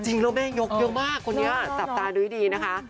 จริงแล้วแม่งยกเยอะมากคนนี้สับตาด้วยดีนะคะ